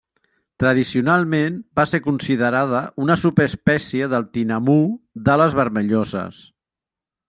Tradicionalment va ser considerada una subespècie del tinamú d'ales vermelloses.